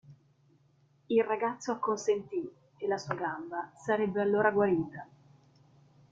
Il ragazzo acconsentì, e la sua gamba sarebbe allora guarita.